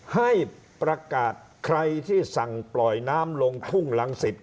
ให้ประกาศใครที่สั่งปล่อยน้ำลงทุ่งรังสิต